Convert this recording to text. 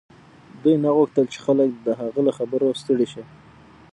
دوی نه غوښتل چې خلک د هغه له خبرو ستړي شي